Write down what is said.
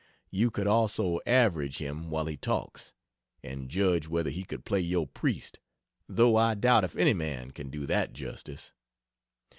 You could also "average" him while he talks, and judge whether he could play your priest though I doubt if any man can do that justice.